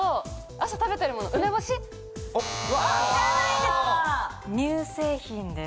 朝食べてるもの梅干し？じゃないんです